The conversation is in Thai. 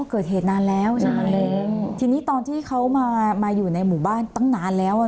เกิดเหตุนานแล้วใช่ไหมทีนี้ตอนที่เขามามาอยู่ในหมู่บ้านตั้งนานแล้วอ่ะ